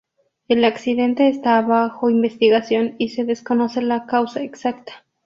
El accidente está bajo investigación, y se desconoce la causa exacta.